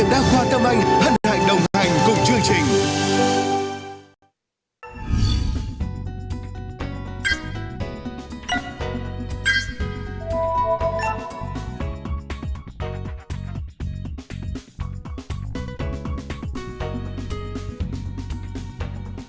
hân hạnh đồng hành cùng chương trình